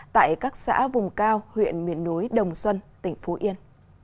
tại các xã vùng cao huyện miền núi đồng xuân tỉnh phú yên